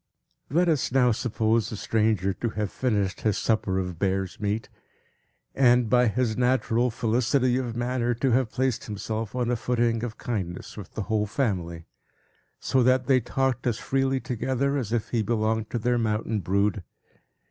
Let us now suppose the stranger to have finished his supper of bear's meat; and, by his natural felicity of manner, to have placed himself on a footing of kindness with the whole family, so that they talked as freely together, as if he belonged to their mountain brood.